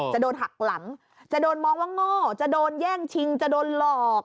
จะโดนหักหลังจะโดนมองว่าโง่จะโดนแย่งชิงจะโดนหลอก